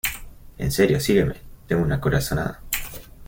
En serio, sígueme, tengo una corazonada.